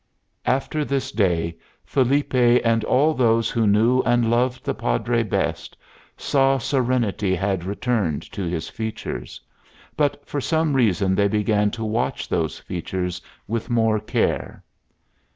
After this day, Felipe and all those who knew and loved the Padre best, saw serenity had returned to his features; but for some reason they began to watch those features with more care.